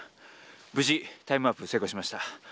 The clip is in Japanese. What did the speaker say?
無事タイムワープに成功しました。